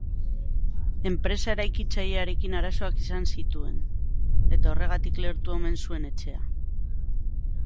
Enpresa eraikitzailearekin arazoak zituen, eta horregatik lehertu omen zuen etxea.